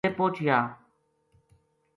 ڈیرے پوہچیا